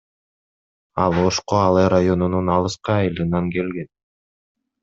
Ал Ошко Алай районунун алыскы айылынан келген.